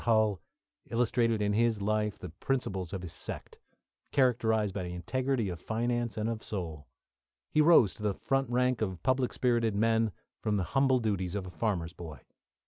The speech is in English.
Hull illustrated in his life the principles of his sect, characterised by integrity of finance and of soul. He rose to the front rank of public spirited men, from the humble duties of a farmer's boy.